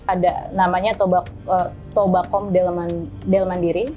ada namanya tobakom delmandiri